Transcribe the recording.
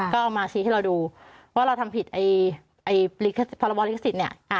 ก็เอามาชี้ให้เราดูว่าเราทำผิดไอไอภาระบอลลิขสิทธิ์เนี่ยอ่า